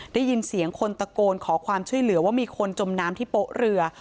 ได้ยินเสียงคนตะโกนขอความช่วยเหลือว่ามีคนจมน้ำที่โป๊ะเรือ